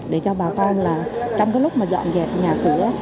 để cho bà con là trong lúc dọn dẹp nhà cửa